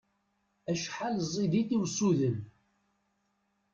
Acḥal ẓid-it i usuden!